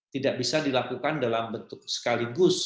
tidak bisa dilakukan dalam bentuk sekaligus